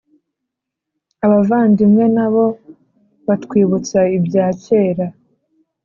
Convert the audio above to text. Abavandimwe na bo batwibutsa ibya kera